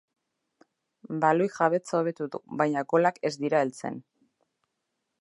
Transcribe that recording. Baloi jabetzan hobetu du baina golak ez dira heltzen.